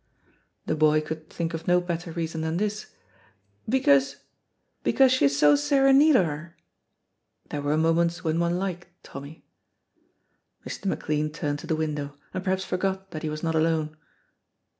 The boy could think of no better reason than this: "Because because she's so sair in need o' are." (There were moments when one liked Tommy.) Mr. McLean turned to the window, and perhaps forgot that he was not alone.